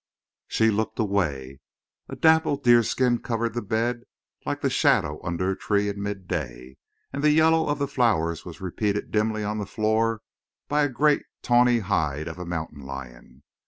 She looked away. A dapple deerskin covered the bed like the shadow under a tree in mid day, and the yellow of the flowers was repeated dimly on the floor by a great, tawny hide of a mountain lion.